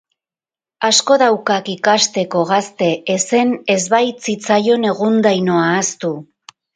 Asko daukak ikasteko, gazte..., ezen ez baitzitzaion egundaino ahaztu.